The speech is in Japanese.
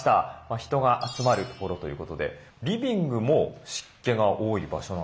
人が集まる所ということでリビングも湿気が多い場所なんですか？